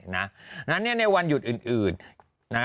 นั้นเนี่ยในวันหยุดอื่น